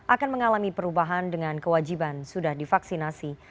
akan mengalami perubahan dengan kewajiban sudah divaksinasi